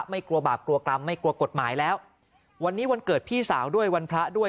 ไม่กลัวบาปกลัวกรรมไม่กลัวกฎหมายแล้ววันนี้วันเกิดพี่สาวด้วยวันพระด้วย